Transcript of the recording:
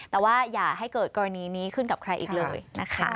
แต่ว่าอย่าให้เกิดกรณีนี้ขึ้นกับใครอีกเลยนะคะ